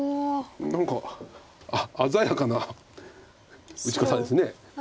何か鮮やかな打ち方です。